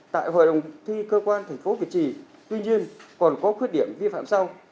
tại hội đồng thi cơ quan tp việt trì tuy nhiên còn có khuyết điểm vi phạm sau